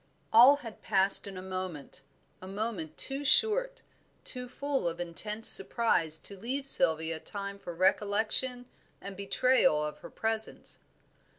All had passed in a moment, a moment too short, too full of intense surprise to leave Sylvia time for recollection and betrayal of her presence.